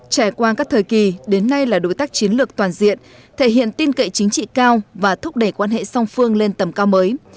trải qua các thời kỳ đến nay là đối tác chiến lược toàn diện thể hiện tin cậy chính trị cao và thúc đẩy quan hệ song phương lên tầm cao mới